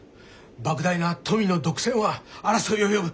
莫大な富の独占は争いを呼ぶ。